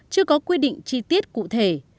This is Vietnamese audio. chưa có quy định chi tiết cụ thể